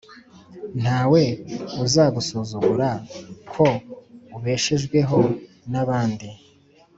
nta we uzagusuzugura ko ubeshejweho n’abandi.